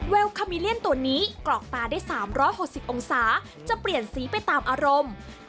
คามิเลียนตัวนี้กรอกตาได้๓๖๐องศาจะเปลี่ยนสีไปตามอารมณ์